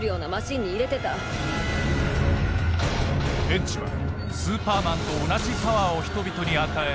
エッジはスーパーマンと同じパワーを人々に与え